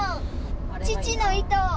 父の糸！